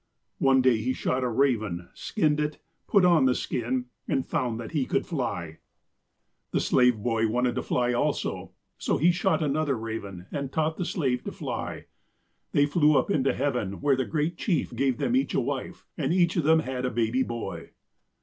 One day he shot a raven, skinned it, put on the skin, and found that he could fly. 116 THRAIMSHUM, THE TSIMSHEAN DEVIL 117 " The slave boy wanted to fly also, so lie shot another raven, and taught the slave to fly. "They flew up into heaven, where the Great Chief gave them each a wife, and each of them had a baby boy.